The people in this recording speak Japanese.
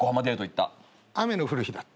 雨の降る日だった。